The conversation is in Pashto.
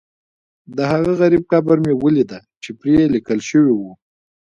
دهغه غریب قبر مې هم ولیده چې پرې لیکل شوي و.